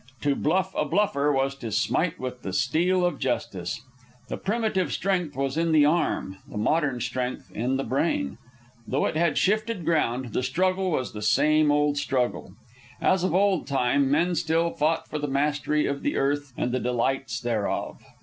To bluff a bluffer was to smite with the steel of justice. The primitive strength was in the arm; the modern strength in the brain. Though it had shifted ground, the struggle was the same old struggle. As of old time, men still fought for the mastery of the earth and the delights thereof.